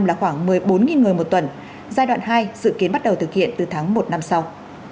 là khoảng một mươi bốn người một tuần giai đoạn hai dự kiến bắt đầu thực hiện từ tháng một năm sau